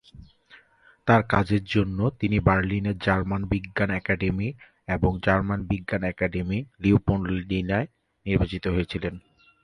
তাঁর কাজের জন্য, তিনি বার্লিনের জার্মান বিজ্ঞান একাডেমি এবং জার্মান বিজ্ঞান একাডেমি লিওপল্ডিনায় নির্বাচিত হয়েছিলেন।